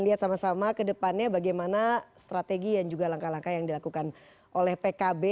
lihat sama sama kedepannya bagaimana strategi yang juga langkah langkah yang dilakukan oleh pkb